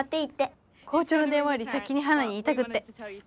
校長の電話より先にハナに言いたくって。